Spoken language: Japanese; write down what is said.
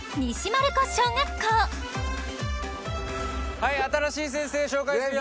はい新しい先生紹介するよ。